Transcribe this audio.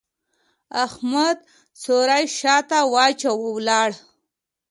احمد څوری شا ته واچاوو؛ ولاړ.